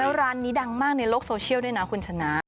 แล้วร้านนี้ดังมากในโลกโซเชียลด้วยนะคุณชนะ